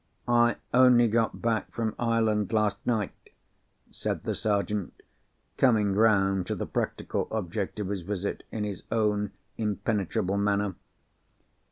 "I only got back from Ireland last night," said the Sergeant, coming round to the practical object of his visit, in his own impenetrable manner.